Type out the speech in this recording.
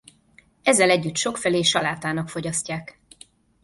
Ezzel együtt sokfelé salátának fogyasztják.